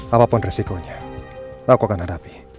apapun resikonya aku akan hadapi